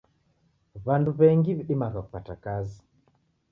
W'andu w'engi w'idimagha kupata kazi.